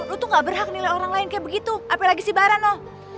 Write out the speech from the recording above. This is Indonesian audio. lo tuh gak berhak nilai orang lain kayak begitu apalagi si bara no